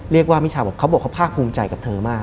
เรียกว่ามิชาบอกว่าเขาภาคภูมิใจกับเธอมาก